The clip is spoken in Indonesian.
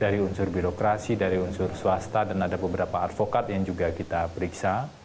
dari unsur birokrasi dari unsur swasta dan ada beberapa advokat yang juga kita periksa